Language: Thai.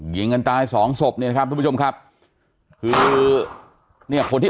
ยิงกันตายสองศพเนี่ยนะครับทุกผู้ชมครับคือเนี่ยคนที่